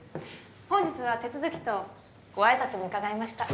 本日は手続きとご挨拶に伺いました。